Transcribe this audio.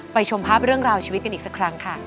ชมภาพเรื่องราวชีวิตกันอีกสักครั้งค่ะ